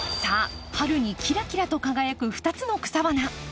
さあ春にキラキラと輝く２つの草花。